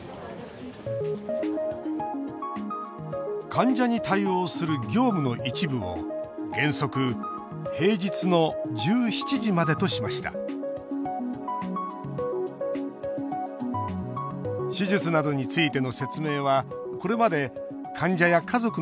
患者に対応する業務の一部を原則平日の１７時までとしました手術などについての説明はこれまで患者や家族の都合を考え